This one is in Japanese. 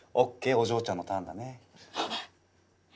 お嬢ちゃんのターンだね。